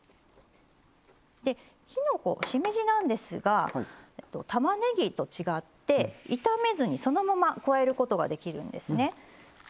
できのこしめじなんですがたまねぎと違って炒めずにそのまま加えることができるんですね。